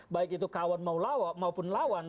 baik itu kawan maupun lawan